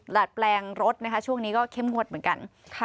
ดัดแปลงรถนะคะช่วงนี้ก็เข้มงวดเหมือนกัน